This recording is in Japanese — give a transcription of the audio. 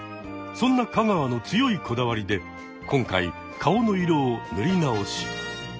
そんな香川の強いこだわりで今回顔の色をぬりなおし。